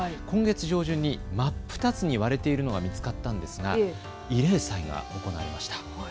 今月上旬に真っ二つに割れているのが見つかったんですが慰霊祭が行われました。